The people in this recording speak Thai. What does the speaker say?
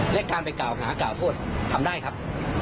และการไปกล่าวหากล่าวโทษทำได้ครับ